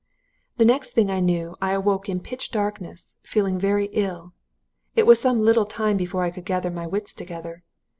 "The next I knew I awoke in pitch darkness, feeling very ill. It was some little time before I could gather my wits together.